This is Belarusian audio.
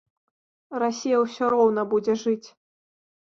Расія ўсё роўна будзе жыць.